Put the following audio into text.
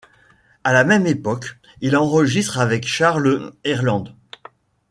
À la même époque, il enregistre avec Charles Earland.